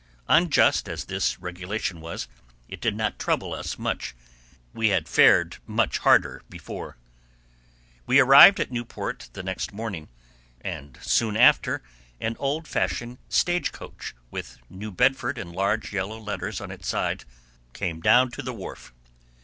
Unjust as this regulation was, it did not trouble us much; we had fared much harder before. We arrived at Newport the next morning, and soon after an old fashioned stage coach, with "New Bedford" in large yellow letters on its sides, came down to the wharf.